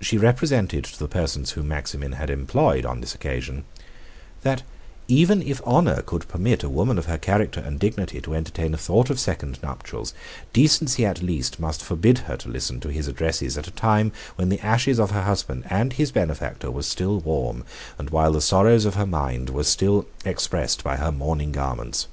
She represented to the persons whom Maximin had employed on this occasion, "that even if honor could permit a woman of her character and dignity to entertain a thought of second nuptials, decency at least must forbid her to listen to his addresses at a time when the ashes of her husband and his benefactor were still warm, and while the sorrows of her mind were still expressed by her mourning garments.